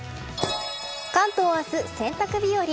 関東明日、洗濯日和。